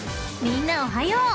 ［みんなおはよう］